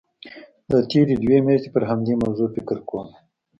دا تېرې دوه میاشتې پر همدې موضوع فکر کوم.